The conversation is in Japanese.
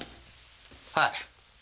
はい。